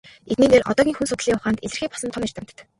Эдний нэр одоогийн хүн судлалын ухаанд илэрхий болсон том эрдэмтэд.